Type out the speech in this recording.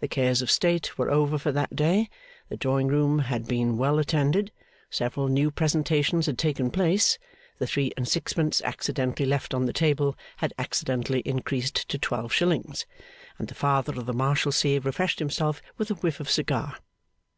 The cares of state were over for that day, the Drawing Room had been well attended, several new presentations had taken place, the three and sixpence accidentally left on the table had accidentally increased to twelve shillings, and the Father of the Marshalsea refreshed himself with a whiff of cigar.